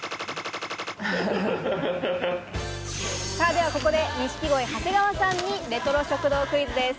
では、ここで錦鯉・長谷川さんにレトロ食堂クイズです。